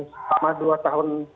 selama dua tahun